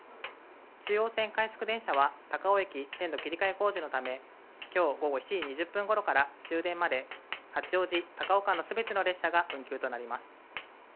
中央線快速電車は高尾駅、線路切り替え工事のため、きょう午後７時２０分ごろから終電まで八王子・高尾間のすべての列車が運休となります。